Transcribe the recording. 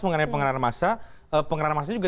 mengenai pengenalan masa pengenalan masa ini juga